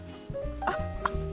あっ。